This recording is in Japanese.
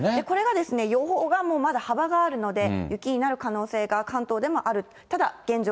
これが、予報がまだ幅があるので、雪になる可能性が、関東でもある。